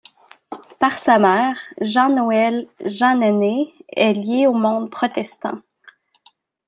Par sa mère, Jean-Noël Jeanneney est lié au monde protestant.